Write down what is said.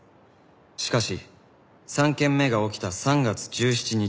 しかし３件目が起きた３月１７日。